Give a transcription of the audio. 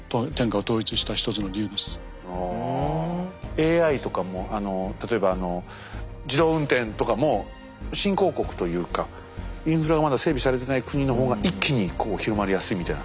ＡＩとかも例えばあの自動運転とかも新興国というかインフラがまだ整備されてない国の方が一気にこう広まりやすいみたいな。